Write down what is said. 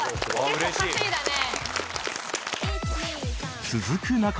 結構稼いだね。